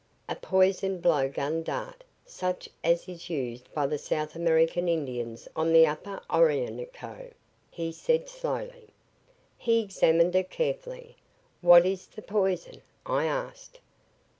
"A poisoned blow gun dart such as is used by the South American Indians on the upper Orinoco," he said slowly. He examined it carefully. "What is the poison?" I asked.